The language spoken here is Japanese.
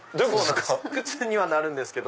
靴にはなるんですけど。